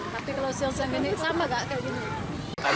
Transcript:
tapi kalau selesai gini sama gak kayak gini